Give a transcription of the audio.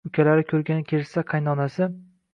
Ukalari ko`rgani kelishsa, qaynonasi